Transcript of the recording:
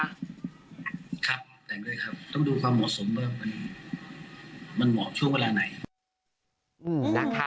ครับครับแต่งด้วยครับต้องดูความเหมาะสมว่ามันเหมาะช่วงเวลาไหน